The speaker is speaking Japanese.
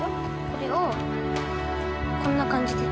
これをこんな感じで。